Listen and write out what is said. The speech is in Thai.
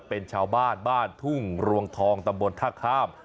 เป็นชาวบ้านบ้านทุ่งรวงทองตำบลท่าข้าม